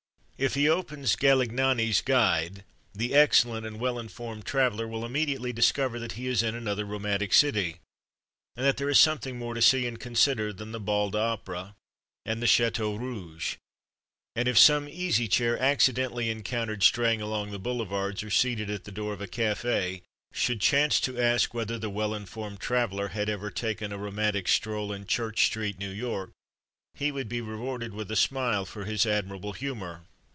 If he opens Galignani's Guide, the excellent and well informed traveller will immediately discover that he is in another romantic city, and that there is something more to see and consider than the bal d'opera, and the Château Rouge; and if some Easy Chair accidentally encountered straying along the Boulevards, or seated at the door of a café, should chance to ask whether the well informed traveller had ever taken a romantic stroll in Church Street, New York, he would be rewarded with a smile for his admirable humor.